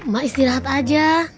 mbak istirahat aja